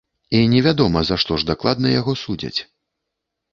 І невядома, за што ж дакладна яго судзяць.